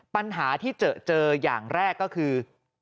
ปัญหาที่เจอเจออย่างแรกก็คือ